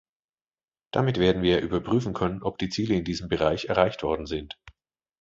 Damit werden wir überprüfen können, ob die Ziele in diesem Bereich erreicht worden sind.